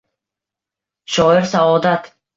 Shoir Saodat.